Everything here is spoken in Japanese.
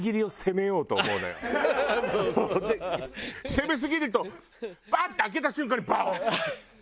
攻めすぎるとバッと開けた瞬間にボン！